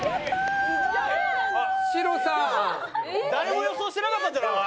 誰も予想してなかったんじゃない？